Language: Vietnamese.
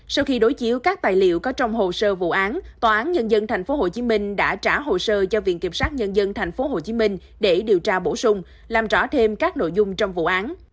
sau khi đối chiếu các tài liệu có trong hồ sơ vụ án tòa án nhân dân tp hcm đã trả hồ sơ cho viện kiểm sát nhân dân tp hcm để điều tra bổ sung làm rõ thêm các nội dung trong vụ án